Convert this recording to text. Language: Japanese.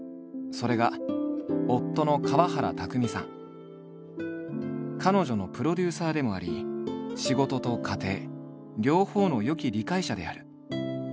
それが彼女のプロデューサーでもあり仕事と家庭両方の良き理解者である。